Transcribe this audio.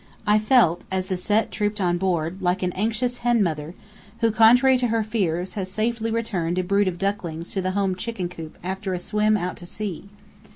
I felt, as the Set trooped on board, like an anxious hen mother who, contrary to her fears, has safely returned a brood of ducklings to the home chicken coop after a swim out to sea.